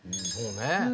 そうね。